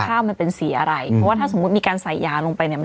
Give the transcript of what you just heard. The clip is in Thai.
ข้าวมันเป็นสีอะไรเพราะว่าถ้าสมมุติมีการใส่ยาลงไปเนี่ย